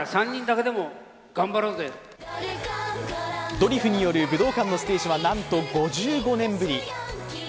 ドリフによる武道館のステージは、なんと５５年ぶり。